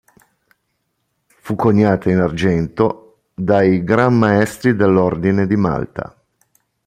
Fu coniata in argento dai Gran maestri dell'ordine di Malta.